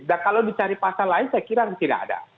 dan kalau di cari pasal lain saya kira tidak ada